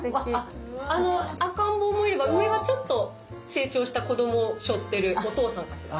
赤ん坊もいれば上はちょっと成長した子供をしょってるお父さんかしら。